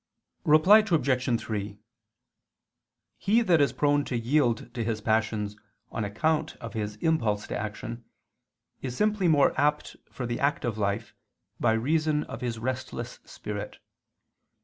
Reply Obj. 3: He that is prone to yield to his passions on account of his impulse to action is simply more apt for the active life by reason of his restless spirit.